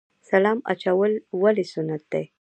سلام اچول ولې سنت دي؟